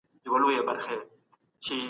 د ماشوم وزن باید په منظم ډول کنټرول شي.